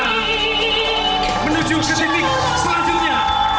menuju ke titik selanjutnya